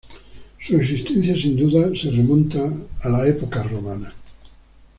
Su existencia, sin duda, se remonta a la "Época Romana".